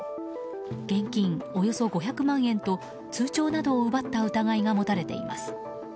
現金およそ５００万円と通帳などを奪った疑いが持たれています。